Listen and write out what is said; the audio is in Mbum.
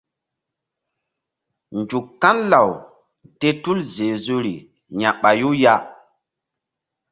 Nzuk kan law te tul zezu ri ya̧ɓayu ya.